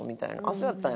「そうやったんや」